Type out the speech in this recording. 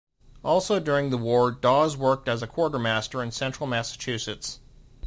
Also during the war, Dawes worked as a quartermaster in central Massachusetts.